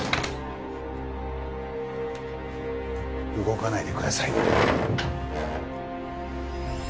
動かないでください。